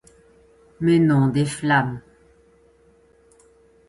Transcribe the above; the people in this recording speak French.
mais non des flammes.